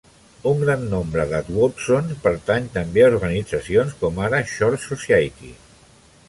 Un gran nombre d'advowsons pertanyen també a organitzacions com ara Church Society.